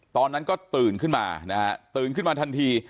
ตอนนั้นก็ตื่นขึ้นมานะฮะตื่นขึ้นมาทันที